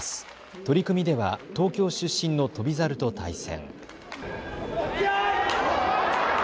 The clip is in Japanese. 取組では東京出身の翔猿と対戦。